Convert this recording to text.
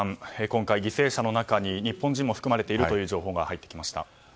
今回、犠牲者の中に日本人も含まれているという情報が入ってきました。